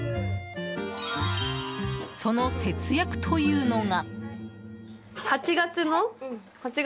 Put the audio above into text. その節約というのが。